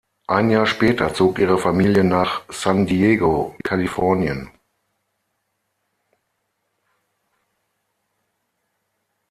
Ein Jahr später zog ihre Familie nach San Diego, Kalifornien.